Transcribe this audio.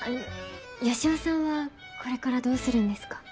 良男さんはこれからどうするんですか？